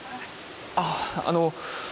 あああのう。